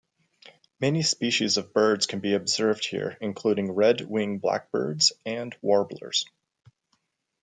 Many species of birds can be observed here including Red Wing Black-Birds and Warblers.